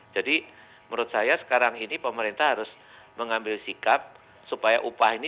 jadi menurut saya sekarang ini pemerintah harus mengambil sikap supaya upah ini